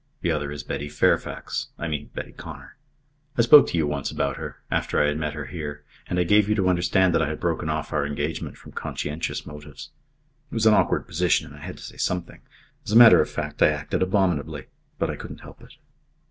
The other is Betty Fairfax I mean Betty Connor. I spoke to you once about her after I had met her here and I gave you to understand that I had broken off our engagement from conscientious motives. It was an awkward position and I had to say something. As a matter of fact I acted abominably. But I couldn't help it."